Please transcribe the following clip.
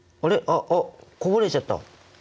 ああこぼれちゃった！